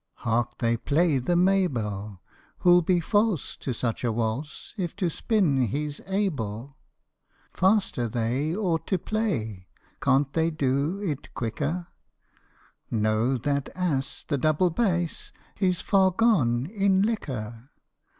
Hark! they play the 'Mabel.' Who 'd be false To such a waltz, If to spin he 's able ":" Faster they Ought to play Can't they do it quicker "' No, that ass The double bass, He 's far gone in liquor.